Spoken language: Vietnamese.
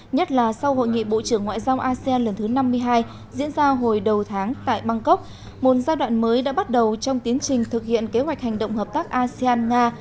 nhất là sau hội nghị bộ trưởng ngoại giao asean lần thứ năm mươi hai diễn ra hồi đầu tháng tại bangkok một giai đoạn mới đã bắt đầu trong tiến trình thực hiện kế hoạch hành động hợp tác asean nga